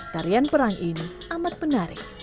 tarian perang ini amat menarik